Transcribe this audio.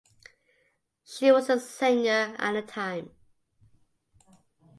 She was a senior at the time.